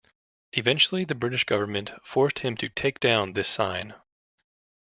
Eventually the British government forced him to take down this sign.